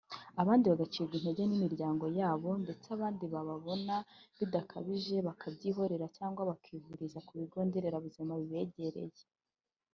abandi bagacibwa intege n’imiryango yabo ndetse abandi babona bidakabije bakabyihorera cyangwa bakivuriza ku bigo nderabuzima bibegereye